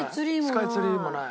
スカイツリーもない。